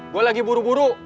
gua lagi buru buru